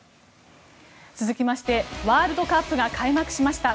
続きましてワールドカップが開幕しました。